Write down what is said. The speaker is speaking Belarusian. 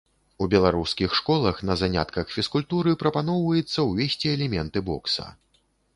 У беларускіх школах на занятках фізкультуры прапаноўваецца ўвесці элементы бокса.